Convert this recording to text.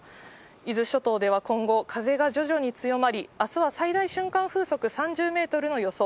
伊豆諸島では今後、風が徐々に強まり、あすは最大瞬間風速３０メートルの予想。